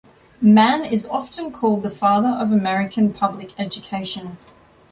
Mann is often called the father of American public education.